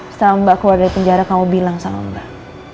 setelah mbak keluar dari penjara kamu bilang sama mbak